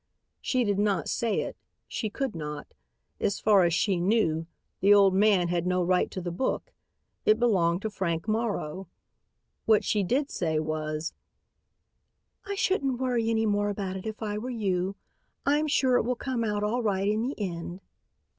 She did not say it. She could not. As far as she knew, the old man had no right to the book; it belonged to Frank Morrow. What she did say was, "I shouldn't worry any more about it if I were you. I am sure it will come out all right in the end."